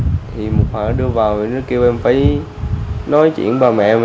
thì một hồi nó đưa vào thì nó kêu em phải nói chuyện với ba mẹ em